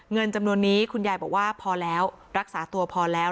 เงินจำนวนนี้คุณยายบอกว่าพอแล้วรักษาตัวพอแล้ว